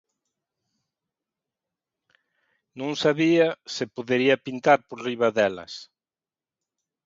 Non sabía se podería pintar por riba delas.